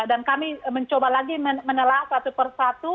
dan kami mencoba lagi menelak satu persatu